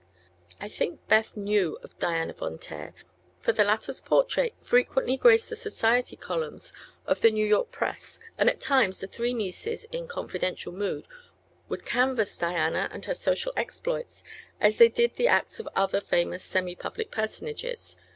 I think Beth knew of Diana Von Taer, for the latter's portrait frequently graced the society columns of the New York press and at times the three nieces, in confidential mood, would canvass Diana and her social exploits as they did the acts of other famous semi public personages.